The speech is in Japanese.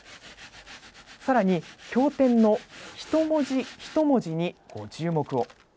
さらに、経典の一文字一文字にご注目を。